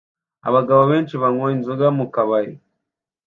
Abagabo benshi banywa inzoga mu kabari